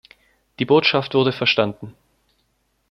Die Botschaft wurde verstanden.